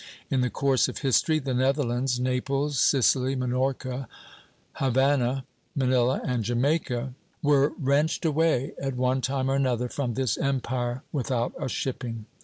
In the course of history the Netherlands, Naples, Sicily, Minorca, Havana, Manila, and Jamaica were wrenched away, at one time or another, from this empire without a shipping.